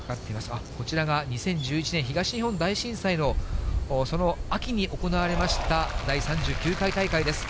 あっ、こちらが２０１１年、東日本大震災の、その秋に行われました、第３９回大会です。